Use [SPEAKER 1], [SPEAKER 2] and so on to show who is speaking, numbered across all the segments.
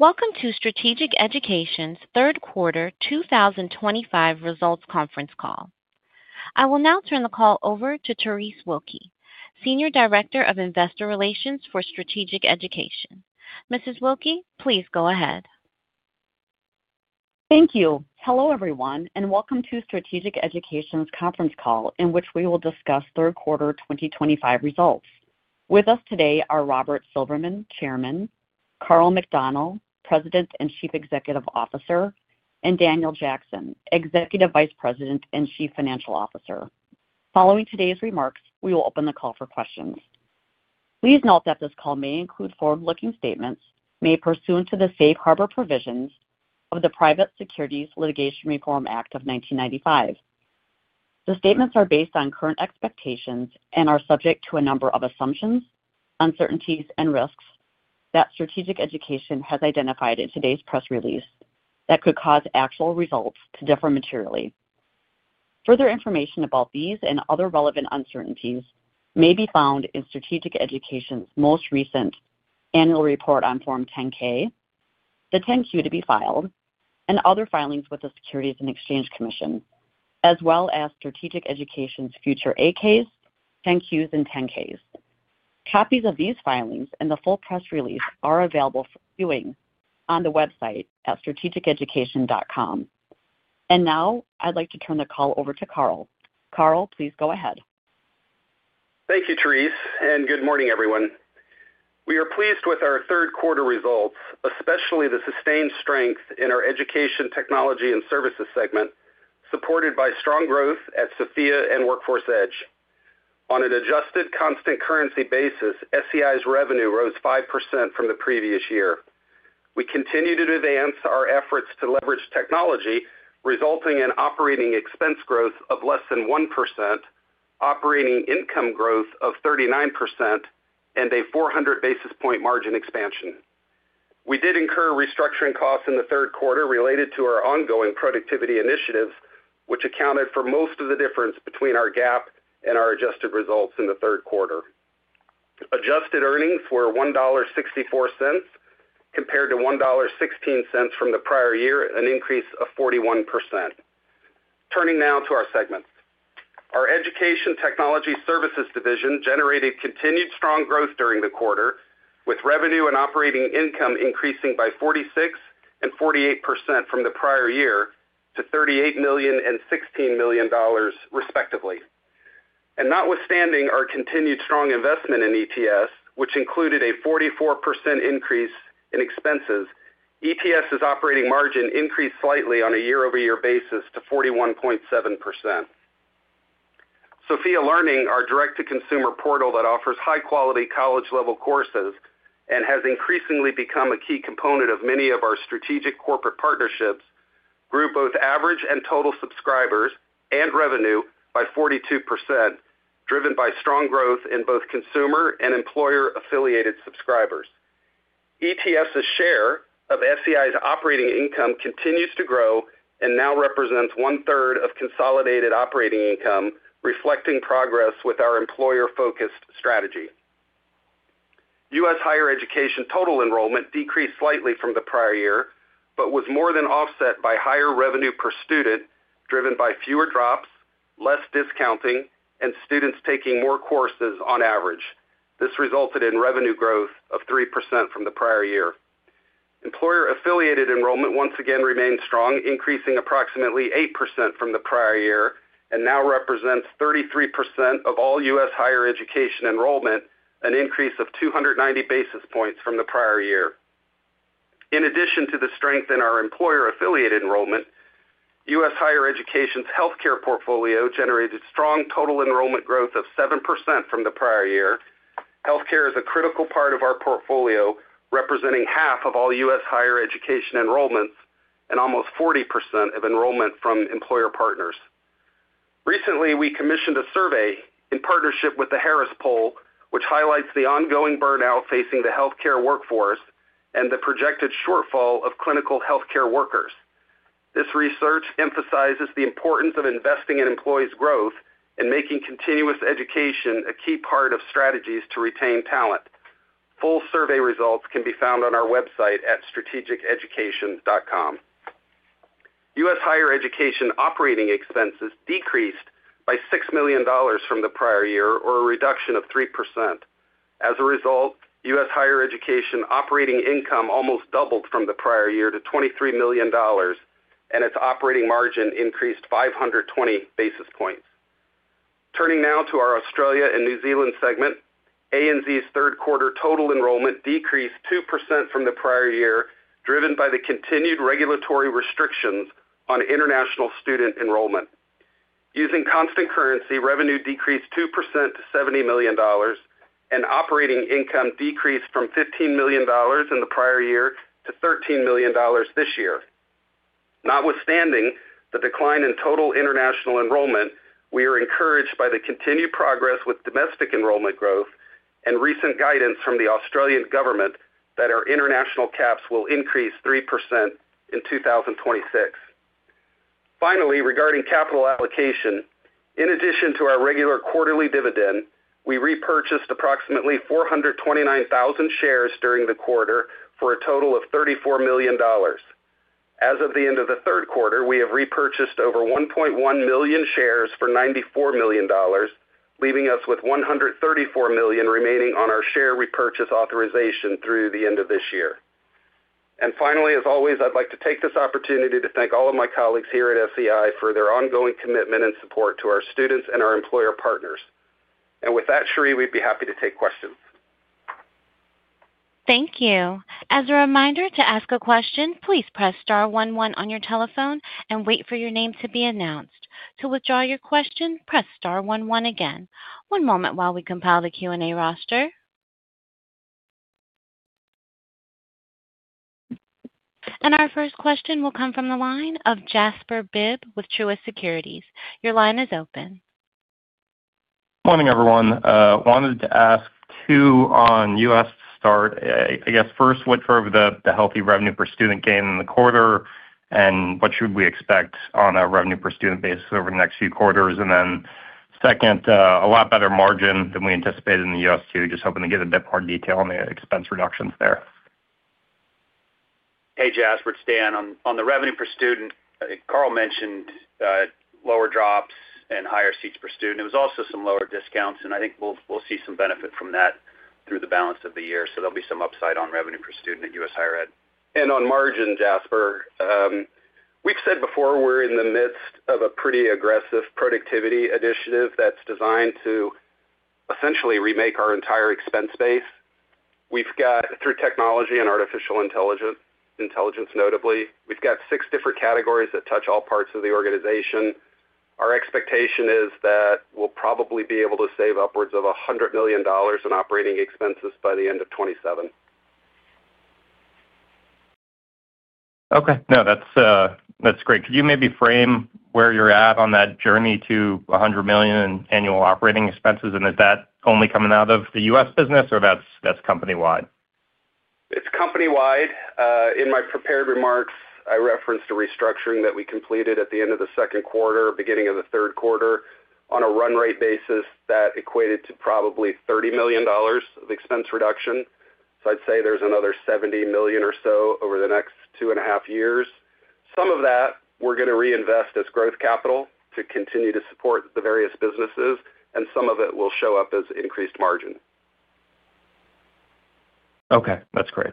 [SPEAKER 1] Welcome to Strategic Education's third quarter 2025 results conference call. I will now turn the call over to Therese Wilke, Senior Director of Investor Relations for Strategic Education. Mrs. Wilke, please go ahead.
[SPEAKER 2] Thank you. Hello everyone, and welcome to Strategic Education's conference call in which we will discuss third quarter 2025 results. With us today are Robert Silberman, Chairman; Karl McDonnell, President and Chief Executive Officer; and Daniel Jackson, Executive Vice President and Chief Financial Officer. Following today's remarks, we will open the call for questions. Please note that this call may include forward-looking statements made pursuant to the safe harbor provisions of the Private Securities Litigation Reform Act of 1995. The statements are based on current expectations and are subject to a number of assumptions, uncertainties, and risks that Strategic Education has identified in today's press release that could cause actual results to differ materially. Further information about these and other relevant uncertainties may be found in Strategic Education's most recent annual report on Form 10-K, the 10-Q to be filed, and other filings with the Securities and Exchange Commission, as well as Strategic Education's future 8-Ks, 10-Qs, and 10-Ks. Copies of these filings and the full press release are available for viewing on the website at strategiceducation.com. I would like to turn the call over to Karl. Karl, please go ahead.
[SPEAKER 3] Thank you, Therese, and good morning everyone. We are pleased with our third quarter results, especially the sustained strength in our Education Technology and Services segment, supported by strong growth at Sofia and Workforce Edge. On an adjusted constant currency basis, SEI's revenue rose 5% from the previous year. We continue to advance our efforts to leverage technology, resulting in operating expense growth of less than 1%, operating income growth of 39%, and a 400 basis point margin expansion. We did incur restructuring costs in the third quarter related to our ongoing productivity initiatives, which accounted for most of the difference between our GAAP and our adjusted results in the third quarter. Adjusted earnings were $1.64 compared to $1.16 from the prior year, an increase of 41%. Turning now to our segments. Our Education Technology Services division generated continued strong growth during the quarter, with revenue and operating income increasing by 46% and 48% from the prior year to $38 million and $16 million, respectively. Notwithstanding our continued strong investment in ETS, which included a 44% increase in expenses, ETS's operating margin increased slightly on a year-over-year basis to 41.7%. Sofia Learning, our direct-to-consumer portal that offers high-quality college-level courses and has increasingly become a key component of many of our strategic corporate partnerships, grew both average and total subscribers and revenue by 42%, driven by strong growth in both consumer and employer-affiliated subscribers. ETS's share of SEI's operating income continues to grow and now represents one-third of consolidated operating income, reflecting progress with our employer-focused strategy. U.S. Higher education total enrollment decreased slightly from the prior year but was more than offset by higher revenue per student, driven by fewer drops, less discounting, and students taking more courses on average. This resulted in revenue growth of 3% from the prior year. Employer-affiliated enrollment once again remained strong, increasing approximately 8% from the prior year and now represents 33% of all U.S. higher education enrollment, an increase of 290 basis points from the prior year. In addition to the strength in our employer-affiliated enrollment, U.S. higher education's healthcare portfolio generated strong total enrollment growth of 7% from the prior year. Healthcare is a critical part of our portfolio, representing half of all U.S. higher education enrollments and almost 40% of enrollment from employer partners. Recently, we commissioned a survey in partnership with the Harris Poll, which highlights the ongoing burnout facing the healthcare workforce and the projected shortfall of clinical healthcare workers. This research emphasizes the importance of investing in employees' growth and making continuous education a key part of strategies to retain talent. Full survey results can be found on our website at strategiceducation.com. U.S. higher education operating expenses decreased by $6 million from the prior year, or a reduction of 3%. As a result, U.S. higher education operating income almost doubled from the prior year to $23 million. Its operating margin increased 520 basis points. Turning now to our Australia and New Zealand segment, ANZ's third quarter total enrollment decreased 2% from the prior year, driven by the continued regulatory restrictions on international student enrollment. Using constant currency, revenue decreased 2% to $70 million, and operating income decreased from $15 million in the prior year to $13 million this year. Notwithstanding the decline in total international enrollment, we are encouraged by the continued progress with domestic enrollment growth and recent guidance from the Australian government that our international caps will increase 3% in 2026. Finally, regarding capital allocation, in addition to our regular quarterly dividend, we repurchased approximately 429,000 shares during the quarter for a total of $34 million. As of the end of the third quarter, we have repurchased over 1.1 million shares for $94 million, leaving us with $134 million remaining on our share repurchase authorization through the end of this year. Finally, as always, I'd like to take this opportunity to thank all of my colleagues here at SEI for their ongoing commitment and support to our students and our employer partners. With that, Sheree, we'd be happy to take questions.
[SPEAKER 1] Thank you. As a reminder, to ask a question, please press star 11 on your telephone and wait for your name to be announced. To withdraw your question, press star 11 again. One moment while we compile the Q&A roster. Our first question will come from the line of Jasper Bibb with Truist Securities. Your line is open.
[SPEAKER 4] Good morning, everyone. I wanted to ask two on U.S. to start. I guess first, what drove the healthy revenue per student gain in the quarter, and what should we expect on a revenue per student basis over the next few quarters? Second, a lot better margin than we anticipated in the U.S. too, just hoping to get a bit more detail on the expense reductions there.
[SPEAKER 5] Hey, Jasper, it's Dan. On the revenue per student, Karl mentioned. Lower drops and higher seats per student. There was also some lower discounts, and I think we'll see some benefit from that through the balance of the year. There'll be some upside on revenue per student at U.S. higher ed.
[SPEAKER 3] On margin, Jasper. We've said before we're in the midst of a pretty aggressive productivity initiative that's designed to essentially remake our entire expense base. We've got, through technology and artificial intelligence, notably, six different categories that touch all parts of the organization. Our expectation is that we'll probably be able to save upwards of $100 million in operating expenses by the end of 2027.
[SPEAKER 4] Okay. No, that's great. Could you maybe frame where you're at on that journey to $100 million in annual operating expenses? Is that only coming out of the U.S. business, or that's company-wide?
[SPEAKER 3] It's company-wide. In my prepared remarks, I referenced a restructuring that we completed at the end of the second quarter, beginning of the third quarter, on a run rate basis that equated to probably $30 million of expense reduction. I'd say there's another $70 million or so over the next two and a half years. Some of that we're going to reinvest as growth capital to continue to support the various businesses, and some of it will show up as increased margin.
[SPEAKER 4] Okay. That's great.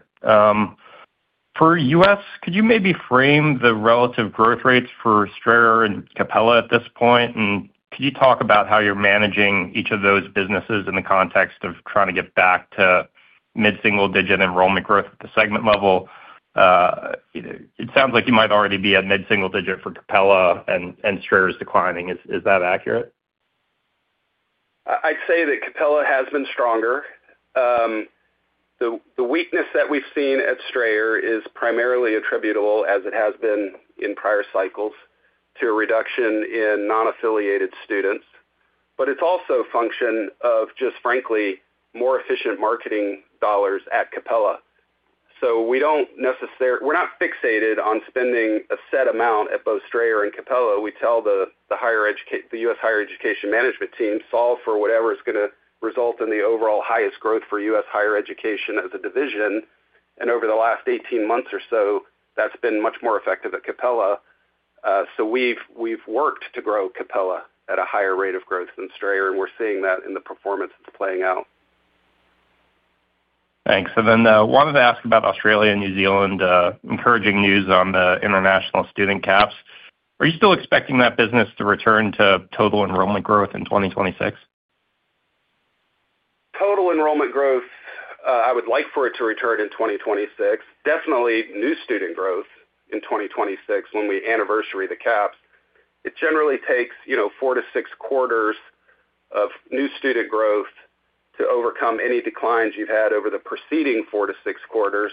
[SPEAKER 4] For U.S., could you maybe frame the relative growth rates for Strayer and Capella at this point? Could you talk about how you're managing each of those businesses in the context of trying to get back to mid-single digit enrollment growth at the segment level? It sounds like you might already be at mid-single digit for Capella and Strayer's declining. Is that accurate?
[SPEAKER 3] I'd say that Capella has been stronger. The weakness that we've seen at Strayer is primarily attributable, as it has been in prior cycles, to a reduction in non-affiliated students. It is also a function of just, frankly, more efficient marketing dollars at Capella. We do not necessarily, we're not fixated on spending a set amount at both Strayer and Capella. We tell the U.S. higher education management team, solve for whatever is going to result in the overall highest growth for U.S. higher education as a division. Over the last 18 months or so, that's been much more effective at Capella. We have worked to grow Capella at a higher rate of growth than Strayer, and we're seeing that in the performance it's playing out.
[SPEAKER 4] Thanks. I wanted to ask about Australia and New Zealand encouraging news on the international student caps. Are you still expecting that business to return to total enrollment growth in 2026?
[SPEAKER 3] Total enrollment growth, I would like for it to return in 2026. Definitely new student growth in 2026 when we anniversary the caps. It generally takes four to six quarters of new student growth to overcome any declines you've had over the preceding four to six quarters.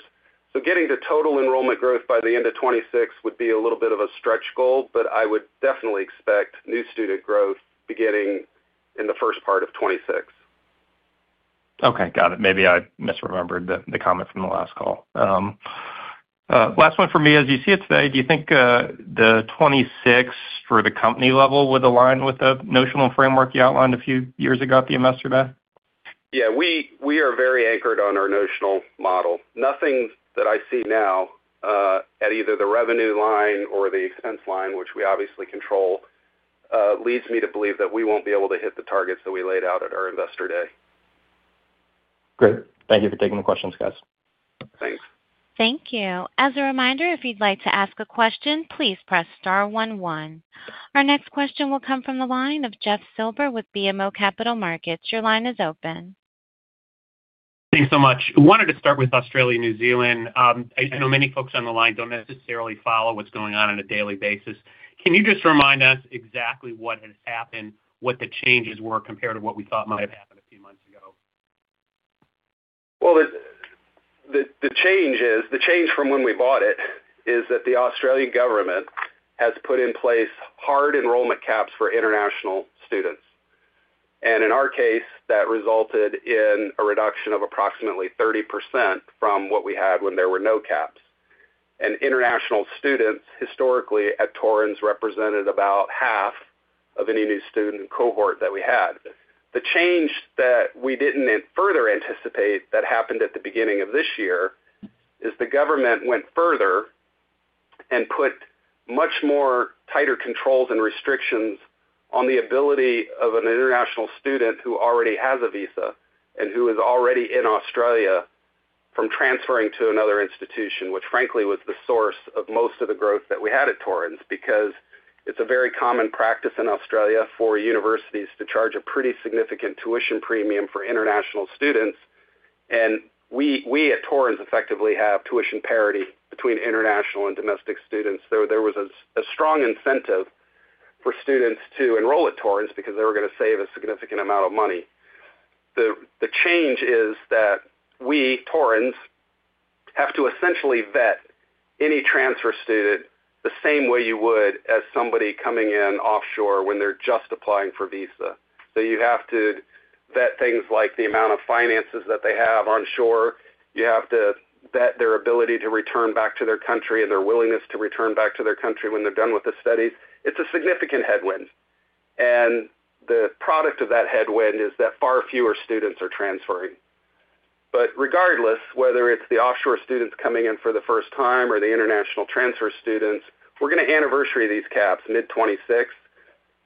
[SPEAKER 3] Getting to total enrollment growth by the end of 2026 would be a little bit of a stretch goal, but I would definitely expect new student growth beginning in the first part of 2026.
[SPEAKER 4] Okay. Got it. Maybe I misremembered the comment from the last call. Last one for me, as you see it today, do you think the 2026 for the company level would align with the notional framework you outlined a few years ago at the investor day?
[SPEAKER 3] Yeah. We are very anchored on our notional model. Nothing that I see now, at either the revenue line or the expense line, which we obviously control, leads me to believe that we won't be able to hit the targets that we laid out at our investor day.
[SPEAKER 4] Great. Thank you for taking the questions, guys.
[SPEAKER 3] Thanks.
[SPEAKER 1] Thank you. As a reminder, if you'd like to ask a question, please press star 11. Our next question will come from the line of Jeff Silber with BMO Capital Markets. Your line is open.
[SPEAKER 6] Thanks so much. I wanted to start with Australia and New Zealand. I know many folks on the line don't necessarily follow what's going on on a daily basis. Can you just remind us exactly what has happened, what the changes were compared to what we thought might have happened a few months ago?
[SPEAKER 3] The change is, the change from when we bought it is that the Australian government has put in place hard enrollment caps for international students. In our case, that resulted in a reduction of approximately 30% from what we had when there were no caps. International students historically at Torrens represented about half of any new student cohort that we had. The change that we did not further anticipate that happened at the beginning of this year is the government went further and put much more tighter controls and restrictions on the ability of an international student who already has a visa and who is already in Australia from transferring to another institution, which frankly was the source of most of the growth that we had at Torrens because it is a very common practice in Australia for universities to charge a pretty significant tuition premium for international students. We at Torrens effectively have tuition parity between international and domestic students. There was a strong incentive for students to enroll at Torrens because they were going to save a significant amount of money. The change is that we, Torrens, have to essentially vet any transfer student the same way you would as somebody coming in offshore when they are just applying for a visa. You have to vet things like the amount of finances that they have on shore. You have to vet their ability to return back to their country and their willingness to return back to their country when they are done with the studies. It is a significant headwind. The product of that headwind is that far fewer students are transferring. Regardless, whether it is the offshore students coming in for the first time or the international transfer students, we are going to anniversary these caps mid-2026.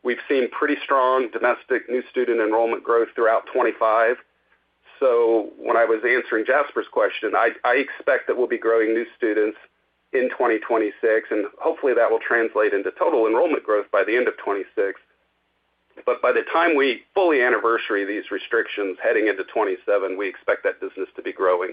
[SPEAKER 3] We've seen pretty strong domestic new student enrollment growth throughout 2025. When I was answering Jasper's question, I expect that we'll be growing new students in 2026, and hopefully that will translate into total enrollment growth by the end of 2026. By the time we fully anniversary these restrictions heading into 2027, we expect that business to be growing.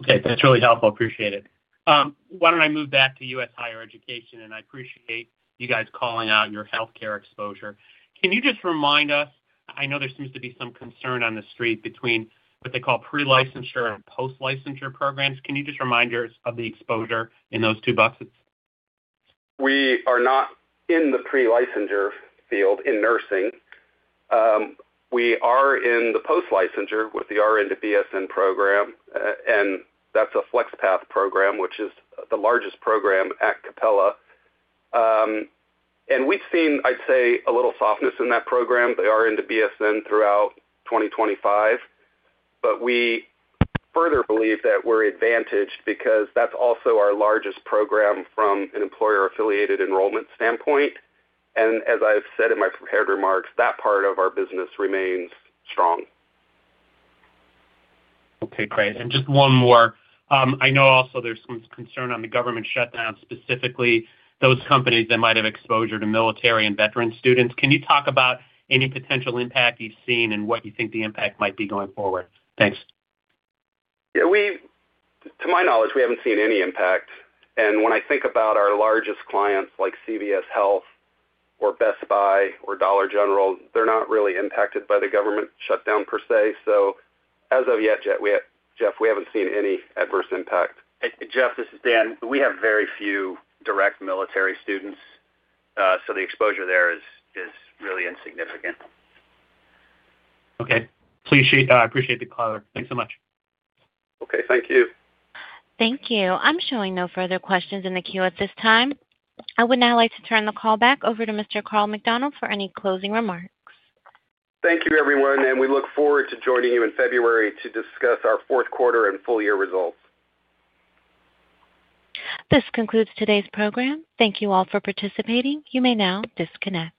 [SPEAKER 6] Okay. That's really helpful. I appreciate it. Why don't I move back to U.S. higher education, and I appreciate you guys calling out your healthcare exposure. Can you just remind us, I know there seems to be some concern on the street between what they call pre-licensure and post-licensure programs. Can you just remind us of the exposure in those two buckets?
[SPEAKER 3] We are not in the pre-licensure field in nursing. We are in the post-licensure with the RN to BSN program. That is a FlexPath program, which is the largest program at Capella. We have seen, I'd say, a little softness in that program, the RN to BSN, throughout 2025. We further believe that we are advantaged because that is also our largest program from an employer-affiliated enrollment standpoint. As I have said in my prepared remarks, that part of our business remains strong.
[SPEAKER 6] Okay. Great. Just one more. I know also there's some concern on the government shutdown, specifically those companies that might have exposure to military and veteran students. Can you talk about any potential impact you've seen and what you think the impact might be going forward? Thanks.
[SPEAKER 3] To my knowledge, we haven't seen any impact. When I think about our largest clients like CVS Health or Best Buy or Dollar General, they're not really impacted by the government shutdown per se. As of yet, Jeff, we haven't seen any adverse impact.
[SPEAKER 5] Jeff, this is Dan. We have very few direct military students. So the exposure there is really insignificant. Okay. I appreciate the clarification. Thanks so much.
[SPEAKER 6] Okay. Thank you.
[SPEAKER 1] Thank you. I'm showing no further questions in the queue at this time. I would now like to turn the call back over to Mr. Karl McDonnell for any closing remarks.
[SPEAKER 3] Thank you, everyone. We look forward to joining you in February to discuss our fourth quarter and full year results.
[SPEAKER 1] This concludes today's program. Thank you all for participating. You may now disconnect.